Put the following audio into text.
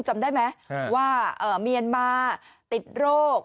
จำได้ไหมว่าเมียนมาติดโรค